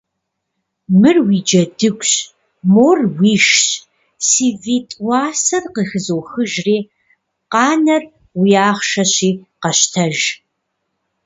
Мыр уи джэдыгущ, мор уишщ, си витӀ уасэр къыхызохыжри, къанэр уи ахъшэщи къэщтэж.